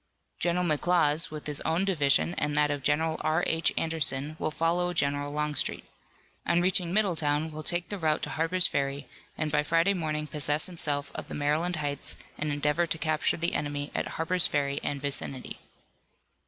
General McLaws with his own division and that of General R. H. Anderson will follow General Longstreet. On reaching Middletown will take the route to Harper's Ferry, and by Friday morning possess himself of the Maryland Heights and endeavor to capture the enemy at Harper's Ferry and vicinity.